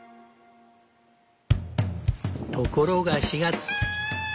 ところが４月。